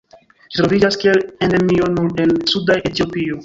Ĝi troviĝas kiel endemio nur en suda Etiopio.